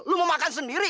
lo mau makan sendiri